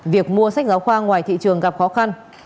việc mua sách giáo khoa ngoài thị trường gặp khó khăn